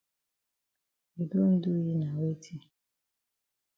You don do yi na weti?